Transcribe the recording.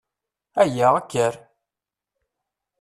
Aya! Kker!